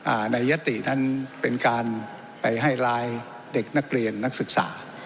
ในยตินั้นเป็นการไปให้ร้ายเด็กนักเรียนนักศึกษา